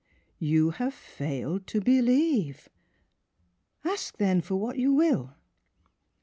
You have failed to believe. Ask, then, for what you will!